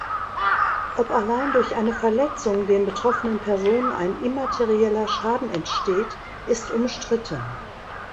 Ob allein durch eine Verletzung den betroffenen Personen ein immaterieller Schaden entsteht ist umstritten.